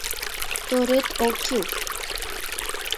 Торет ок кӱл.